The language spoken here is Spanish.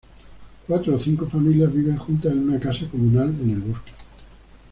Cuatro o cinco familias viven juntas en una casa comunal en el bosque.